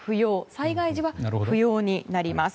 災害時は不要になります。